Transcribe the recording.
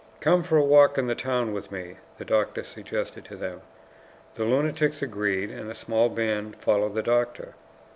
"Come for a walk in the town with me?" the doctor suggested to them. The lunatics agreed, and a small band followed the doctor.